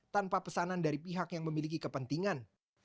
tanpa pesanan dari pihak yang memiliki kepentingan